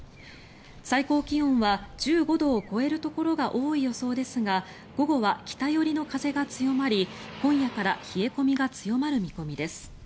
最高気温は１５度を超えるところが多い予想ですが午後は北寄りの風が強まり今夜から冷え込みが強まる見込みです。